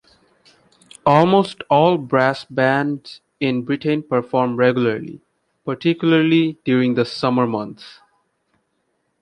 Almost all brass bands in Britain perform regularly, particularly during the summer months.